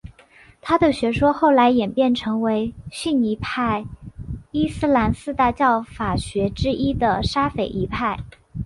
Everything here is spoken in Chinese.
他的学说后来演变成为逊尼派伊斯兰四大教法学之一的沙斐仪派。